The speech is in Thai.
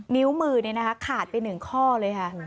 นิ้วมือเนี่ยนะคะขาดไป๑ข้อเลยค่ะ